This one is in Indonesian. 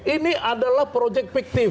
ini adalah projek fiktif